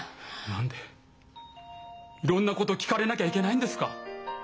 何でいろんなことを聞かれなきゃいけないんですか？